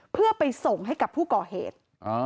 เพื่อไปส่งให้กับผู้ก่อเหตุ